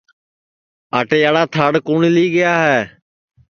آٹے یاڑا تھاݪ کُوٹؔ لی گا ہے